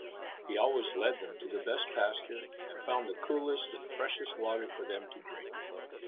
He always led them to the best pasture, and found the coolest and freshest water for them to drink.